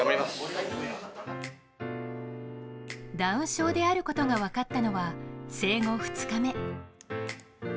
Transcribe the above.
ダウン症であることが分かったのは、生後２日目。